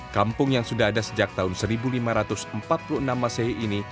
kampung yang sudah ada sejak tahun seribu lima ratus empat puluh enam masehi ini